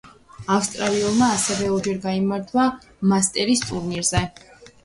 ავსტრალიელმა ასევე ორჯერ გაიმარჯვა მასტერსის ტურნირებზე.